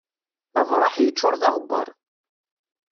Abraḥ yeččur d aɣebbar.